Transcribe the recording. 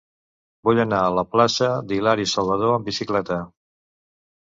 Vull anar a la plaça d'Hilari Salvadó amb bicicleta.